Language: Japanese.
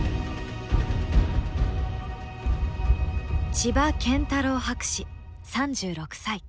千葉謙太郎博士３６歳。